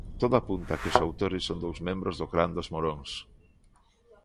Todo apunta que os autores son dous membros do clan dos Moróns.